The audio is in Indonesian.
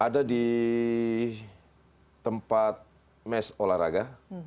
ada di tempat mes olahraga